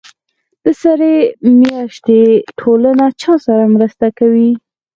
د سرې میاشتې ټولنه چا سره مرسته کوي؟